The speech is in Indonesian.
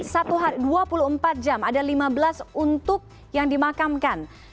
satu dua puluh empat jam ada lima belas untuk yang dimakamkan